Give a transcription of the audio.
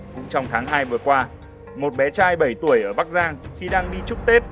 cũng trong tháng hai vừa qua một bé trai bảy tuổi ở bắc giang khi đang đi chúc tết